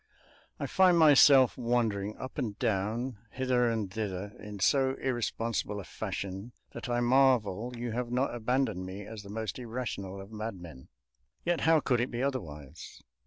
I find myself wandering up and down, hither and thither, in so irresponsible a fashion that I marvel you have not abandoned me as the most irrational of madmen. Yet how could it be otherwise?